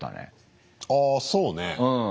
あそうね。